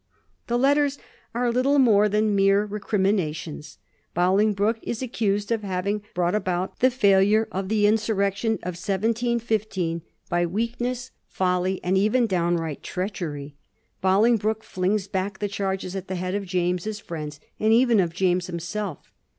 The letters are little more than mere recriminations. Bolingbroke is accused of having brought about the fail ure of the insurrection of 1715 by weakness, folly, and 1734. BOLINGBROKE A HURTFUL ALLY. 19 even downright treachery. Bolingbroke flings back the charges at the head of James's friends, and even of James himself.